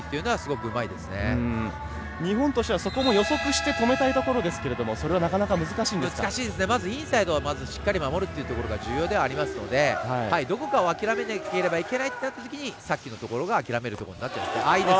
日本としてはそこも予測して止めたいところですけれどもそれはインサイドをしっかり守るところは重要ではありますのでどこかを諦めなければいけないとなったときにさっきのところが諦めることになります。